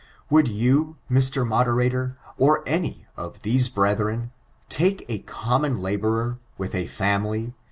Would you, Mr. Moderator, or any of these brethren, take a common laborer, with a family.